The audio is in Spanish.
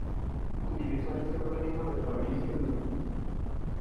Utilizó el seudónimo de Fabricio Núñez.